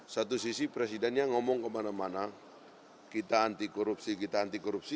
satu sisi presidennya ngomong kemana mana kita anti korupsi kita anti korupsi